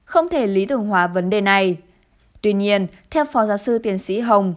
không thể lý tưởng hóa vấn đề này tuy nhiên theo phó giáo sư tiến sĩ hồng